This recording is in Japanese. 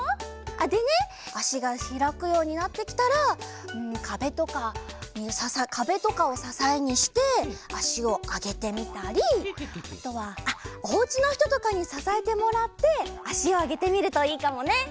でねあしがひらくようになってきたらかべとかをささえにしてあしをあげてみたりあとはあっおうちのひととかにささえてもらってあしをあげてみるといいかもね！